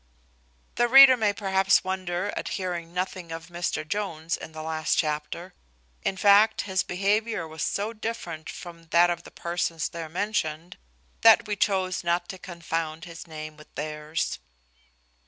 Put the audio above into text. The reader may perhaps wonder at hearing nothing of Mr Jones in the last chapter. In fact, his behaviour was so different from that of the persons there mentioned, that we chose not to confound his name with theirs.